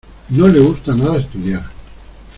No le gusta nada estudiar.